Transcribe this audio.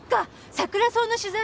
サクラソウの取材？